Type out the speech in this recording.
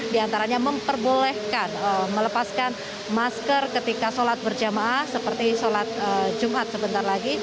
diantaranya memperbolehkan melepaskan masker ketika sholat berjemaah seperti sholat jumat sebentar lagi